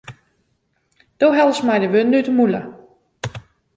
Do hellest my de wurden út de mûle.